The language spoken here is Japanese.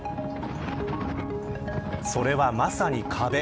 それは、まさに壁。